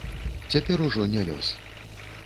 Цяпер ужо не лёс.